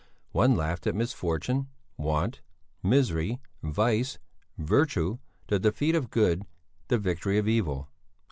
One laughed at misfortune, want, misery, vice, virtue, the defeat of good, the victory of evil.